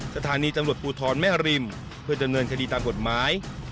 สถานีตำรวจภูทรแม่ริมเพื่อดำเนินคดีตามกฎหมาย